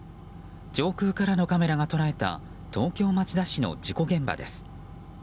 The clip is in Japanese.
上空からのカメラが捉えた東京・町田市の事故現場です。